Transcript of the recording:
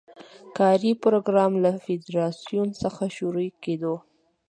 کاري پروګرام له فدراسیون څخه شروع کېدو.